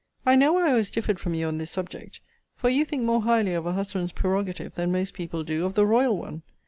I know I always differed from you on this subject: for you think more highly of a husband's prerogative than most people do of the royal one.